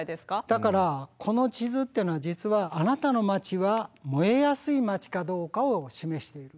だからこの地図っていうのは実はあなたの街は燃えやすい街かどうかを示している。